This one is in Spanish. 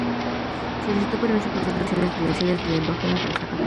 Solicitó permiso para usar vehículos oficiales de la embajada para sacarlo.